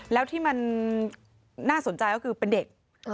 แล้วที่มันน่าสนใจก็คือเป็นเด็ก